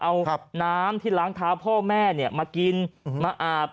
เอาน้ำที่ล้างเท้าพ่อแม่มากินมาอาบ